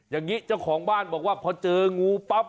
อย่างนี้เจ้าของบ้านบอกว่าพอเจองูปั๊บ